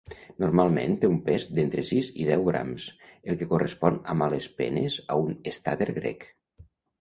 Normalment té un pes d'entre sis i deu grams, el que correspon a males penes a un estàter grec.